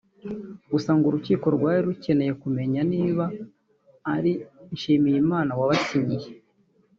Gusa ngo urukiko rwari rukeneye kumenya niba ari Nshimiyimana wabasinyiye